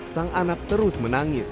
sang anak terus menangis